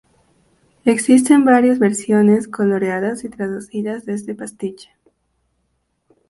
Existen varias versiones coloreadas y traducidas de este pastiche.